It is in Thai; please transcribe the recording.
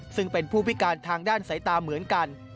ซึ่งเป็นผู้พิการทางด้านสายตาเหมือนกัน